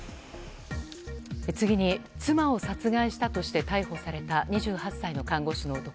つぎに妻を殺害したとして逮捕された２８歳の看護師の男。